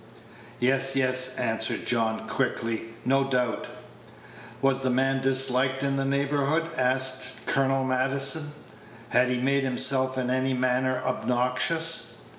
"Yes, yes," answered John, quickly, "no doubt." "Was the man disliked in the neighborhood?" asked Colonel Maddison; "had he made himself in any manner obnoxious?"